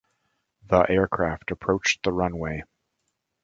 The aircraft approached the runway.